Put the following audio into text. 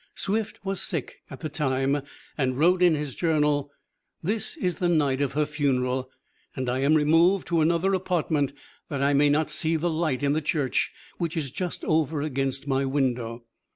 Swift was sick at the time, and wrote in his journal: "This is the night of her funeral, and I am removed to another apartment that I may not see the light in the church which is just over against my window."